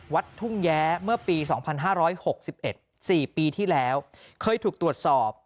วัดทุ่งแย้เมื่อปี๒๕๖๑๔ปีที่แล้วเคยถูกตรวจสอบ